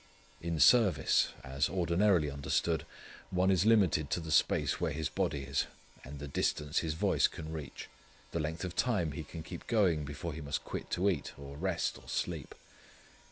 In service, as ordinarily understood, one is limited to the space where his body is, the distance his voice can reach, the length of time he can keep going before he must quit to eat, or rest, or sleep.